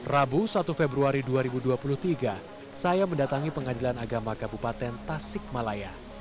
rabu satu februari dua ribu dua puluh tiga saya mendatangi pengadilan agama kabupaten tasik malaya